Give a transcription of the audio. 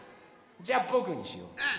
じゃあぼくにしよう。